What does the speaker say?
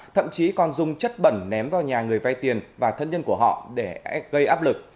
thậm chí còn dùng chất bẩn ném vào nhà người vay tiền và thân nhân của họ để gây áp lực